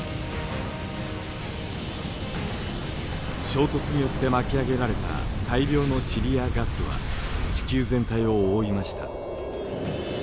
衝突によって巻き上げられた大量の塵やガスは地球全体を覆いました。